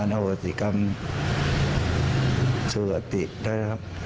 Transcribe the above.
และอวสิกรรมสุขติด้วยครับ